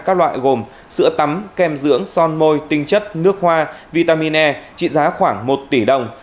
các loại gồm sữa tắm kem dưỡng son môi tinh chất nước hoa vitamin e trị giá khoảng một tỷ đồng